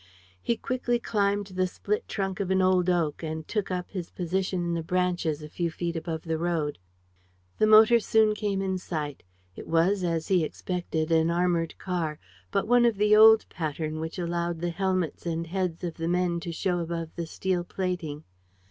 He quickly climbed the split trunk of an old oak and took up his position in the branches a few feet above the road. The motor soon came in sight. It was, as he expected, an armored car, but one of the old pattern, which allowed the helmets and heads of the men to show above the steel plating.